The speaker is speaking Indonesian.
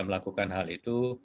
melakukan hal itu